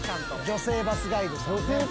女性バスガイド？